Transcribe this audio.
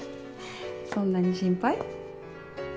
そんなに心配？